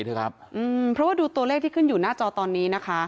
เพราะว่าดูตัวเลขที่ขึ้นอยู่หน้าจอตอนนี้นะคะ